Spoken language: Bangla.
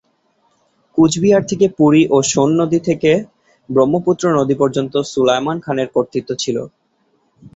কুচ বিহার থেকে পুরী ও সোন নদী থেকে ব্রহ্মপুত্র নদী পর্যন্ত সুলায়মান খানের কর্তৃত্ব ছিল।